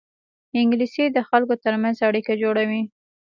انګلیسي د خلکو ترمنځ اړیکه جوړوي